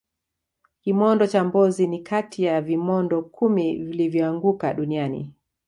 kimondo cha mbozi ni Kati ya vimondo kumi vilivyoanguka duniani